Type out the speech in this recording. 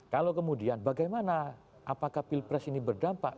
kalau kemudian bagaimana apakah pilpres ini berdampak